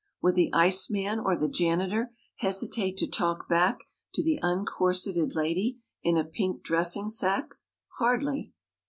Would the iceman or the janitor hesitate to "talk back" to the uncorseted lady in a pink dressing sack? Hardly!